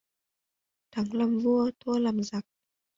Thắng làm vua thua làm giặc